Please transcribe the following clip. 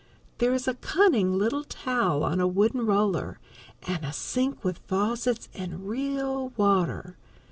There is a cunning, little towel on a wooden roller, and a sink with faucets, and real water.